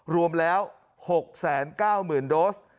รวมแล้ว๖๙๐๐๐โดส